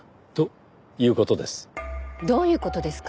どういう事ですか？